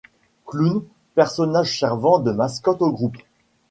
Clown, personnage servant de mascotte au groupe.